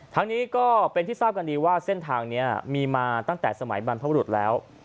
ทั้งนี้ก็เป็นที่ทราบกันดีว่าเส้นทางนี้มีมาตั้งแต่สมัยบรรพบรุษแล้ว